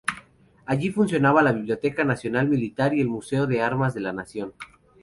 Allí funciona la Biblioteca Nacional Militar y el Museo de Armas de la Nación.